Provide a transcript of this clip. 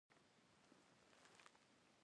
عصري تعلیم مهم دی ځکه چې د نانوټیکنالوژي معرفي کوي.